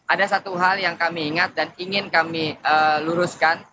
ada satu hal yang kami ingat dan ingin kami luruskan